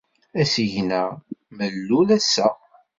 Asigna mellul ass-a